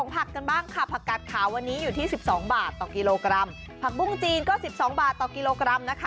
ผักปรุงจีน๑๒บาทต่อกิโลกรัม